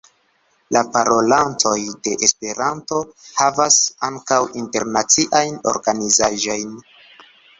La parolantoj de Esperanto havas ankaŭ internaciajn organizaĵojn.